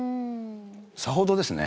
さほどですね。